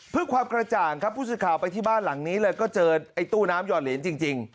เพื่อความกระจ่างครับผู้สื่อข่าวไปที่บ้านหลังนี้เลยก็เจอไอ้ตู้น้ำหอดเหรียญจริง